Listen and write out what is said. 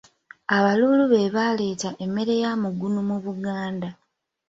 Abaluulu be baaleeta emmere ya mugunu mu Buganda